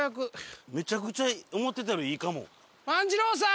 めちゃくちゃ思ってたよりいいかも。